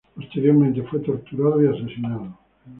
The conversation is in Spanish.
Posteriormente fue torturado y asesinado.